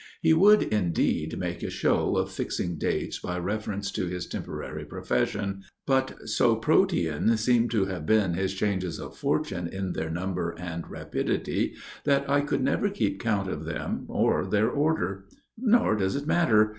He would, indeed, make a show of fixing dates by reference to his temporary profession; but so Protean seem to have been his changes of fortune in their number and rapidity that I could never keep count of them or their order. Nor does it matter.